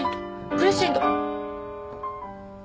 クレシェンド。